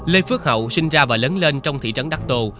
lê phước hậu sinh ra và lớn lên trong thị trấn đắc tô